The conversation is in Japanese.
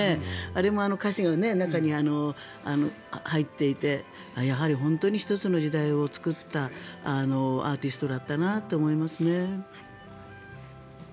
あれも歌詞が中に入っていてやはり本当に１つの時代を作ったアーティストだったなと思いますね。